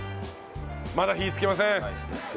まだ火つけません。